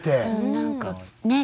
何かねえ